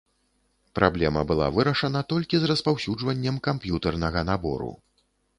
Праблема была вырашана толькі з распаўсюджваннем камп'ютэрнага набору.